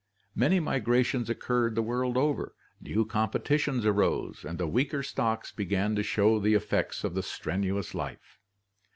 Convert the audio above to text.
Many migrations occurred the world over, new competitions arose, and the weaker stocks began to show the effects of the strenuous life.